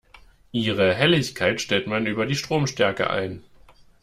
Ihre Helligkeit stellt man über die Stromstärke ein.